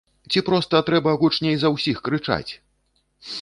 Ці проста трэба гучней за ўсіх крычаць!